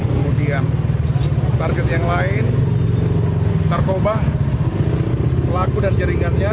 kemudian target yang lain narkoba pelaku dan jaringannya